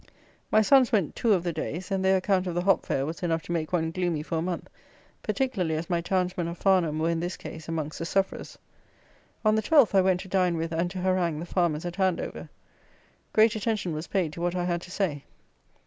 My sons went two of the days, and their account of the hop fair was enough to make one gloomy for a month, particularly as my townsmen of Farnham were, in this case, amongst the sufferers. On the 12th I went to dine with and to harangue the farmers at Andover. Great attention was paid to what I had to say.